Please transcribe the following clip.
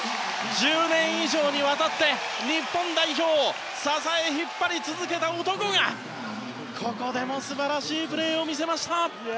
１０年以上にわたって日本代表を支え引っ張り続けた男がここでも素晴らしいプレーを見せました。